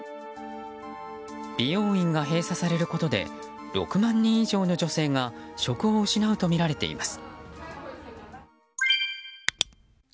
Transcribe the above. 美容院が閉鎖されることで６万人以上の女性が職を失うとみられています。